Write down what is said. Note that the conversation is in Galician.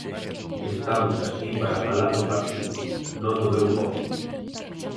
Estamos aquí para falar do partido, non do meu posto.